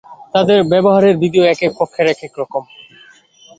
তাদের ব্যবহারের বিধিও একেক পক্ষের একেক রকম।